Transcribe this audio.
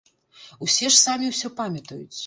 Усе ж самі ўсё памятаюць!